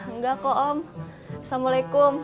enggak kok om assalamualaikum